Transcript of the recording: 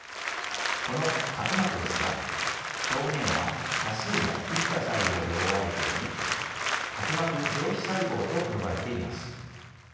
この角膜ですが表面は多数の生きた細胞で覆われており角膜上皮細胞と呼ばれています。